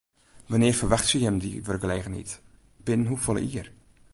Wannear ferwachtsje jim dy wurkgelegenheid, binnen hoefolle jier?